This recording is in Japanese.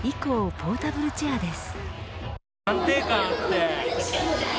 ポータブルチェアです。